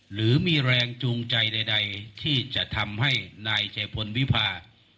หรือมีแรงจูงใจใดที่จะทำให้นายชัยพลวิพา